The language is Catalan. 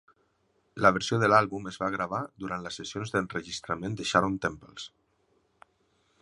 La versió de l'àlbum es va gravar durant les sessions d'enregistrament de Sharon Temples.